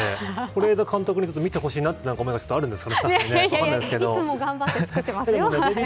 是枝監督に見てほしいなというのがあるんですかね。